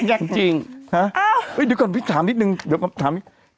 ยักษ์จริงฮะดูก่อนพี่ถามนิดนึงเดี๋ยวก่อนถามนิดนึง